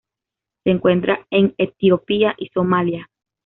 Se encuentra en Etiopía y Somalía.